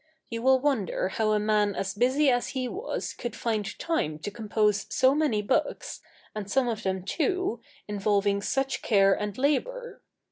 You will wonder how a man as busy as he was could find time to compose so many books, and some of them, too, involving such care and labor.